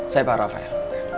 saya pak rafael